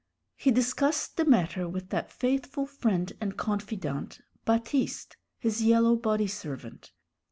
He discussed the matter with that faithful friend and confidant, Baptiste, his yellow body servant.